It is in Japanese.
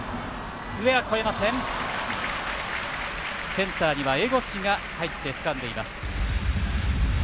センターには江越が入ってつかんでいます。